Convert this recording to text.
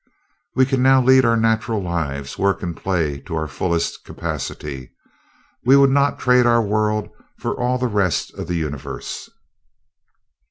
We can now lead our natural lives, work and play to our fullest capacity we would not trade our world for all the rest of the Universe."